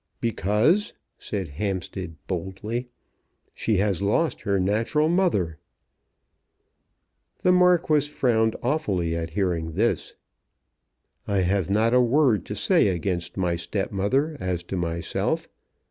"Because," said Hampstead boldly, "she has lost her natural mother." The Marquis frowned awfully at hearing this. "I have not a word to say against my stepmother as to myself.